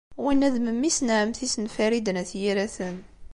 Winna d memmi-s n ɛemmti-s n Farid n At Yiraten.